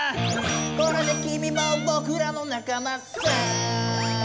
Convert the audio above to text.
「これで君もぼくらの仲間さ」